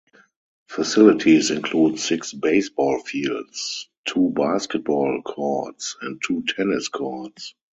Facilities include six baseball fields, two basketball courts and two tennis courts.